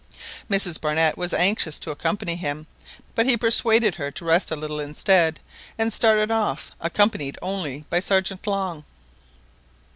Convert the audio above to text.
Mrs Barnett was anxious to accompany him, but he persuaded her to rest a little instead, and started off, accompanied only by Sergeant Long.